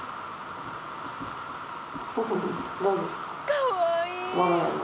かわいい！